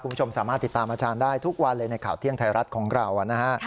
คุณผู้ชมสามารถติดตามอาจารย์ได้ทุกวันเลยในข่าวเที่ยงไทยรัฐของเรานะฮะ